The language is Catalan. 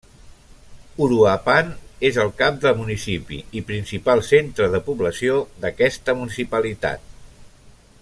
Uruapan és el cap de municipi i principal centre de població d'aquesta municipalitat.